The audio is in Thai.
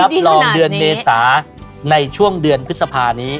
รับรองเดือนเมษาในช่วงเดือนพฤษภานี้